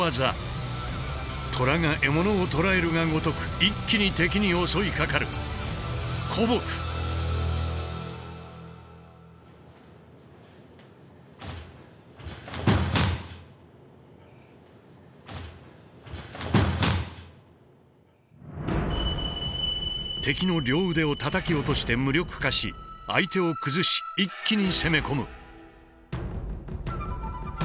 虎が獲物を捕らえるがごとく一気に敵に襲いかかる敵の両腕をたたき落として無力化し相手を崩し一気に攻め込む。